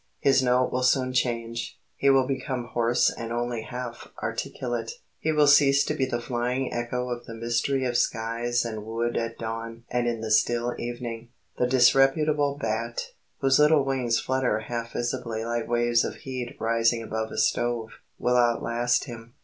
His note will soon change. He will become hoarse and only half articulate. He will cease to be the flying echo of the mystery of skies and wood at dawn and in the still evening. The disreputable bat, whose little wings flutter half visibly like waves of heat rising above a stove, will outlast him.